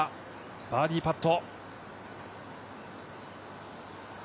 バーディーパット。